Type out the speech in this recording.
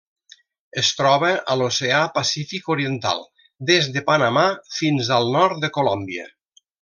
Es troba a l'Oceà Pacífic oriental: des de Panamà fins al nord de Colòmbia.